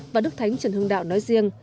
và đức thánh trần hưng đạo nói riêng